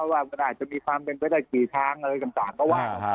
ว่ามันอาจจะมีความเป็นไปได้กี่ทางอะไรต่างก็ว่า